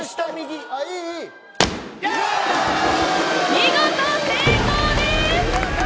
見事、成功です。